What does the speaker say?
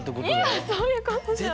いやそういうことじゃない。